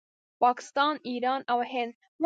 پاکستان، ایران او هند